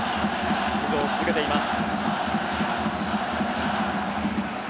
出場を続けています。